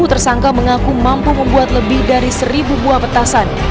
tersangka mengaku mampu membuat lebih dari seribu buah petasan